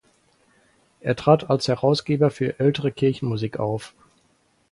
Er trat als Herausgeber für ältere Kirchenmusik auf.